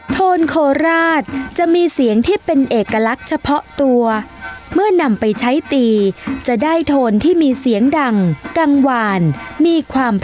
โทนโคราชจะมีเสียงที่เป็นเอกลักษณ์เฉพาะตัวเมื่อนำไปใช้ตีจะได้โทนที่มีเสียงดังกังวานมีความ